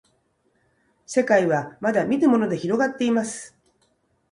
せかいはまだみぬものでひろがっています